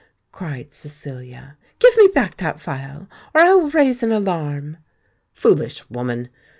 cried Cecilia. "Give me back that phial—or I will raise an alarm!" "Foolish woman!